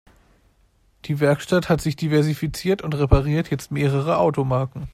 Die Werkstatt hat sich diversifiziert und repariert jetzt mehrere Automarken.